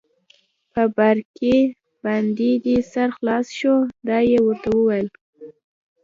په باریکۍ باندې دې سر خلاص شو؟ دا يې ورته وویل.